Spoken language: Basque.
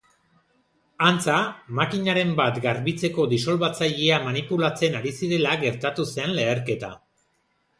Antza, makinaren bat garbitzeko disolbatzailea manipulatzen ari zirela gertatu zen leherketa.